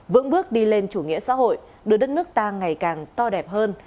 vững bước đi lên chủ nghĩa xã hội đưa đất nước ta ngày càng to đẹp hơn